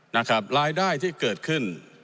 นะครับรายได้ที่เกิดขึ้น